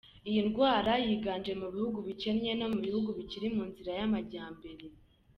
Iyi ndwara yiganje mu bihugu bikennye no mu bihugu bikiri mu nzira y’amajyambere.